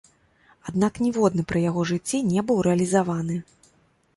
Аднак ніводны пры яго жыцці не быў рэалізаваны.